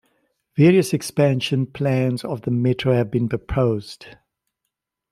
Various expansion plans of the Metro have been proposed.